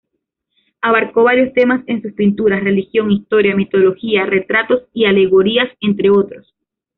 Abarcó varios temas en sus pinturas: religión, historia, mitología, retratos y alegorías, entre otros.